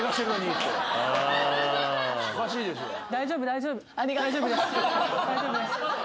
大丈夫です。